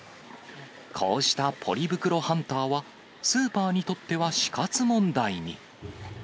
こうしたポリ袋ハンターは、スーパーにとっては死活問題に。